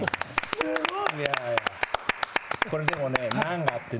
すごい。